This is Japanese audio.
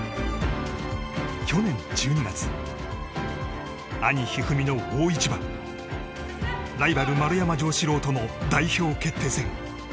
去年１２月兄・一二三の大一番ライバル、丸山城志郎との代表決定戦。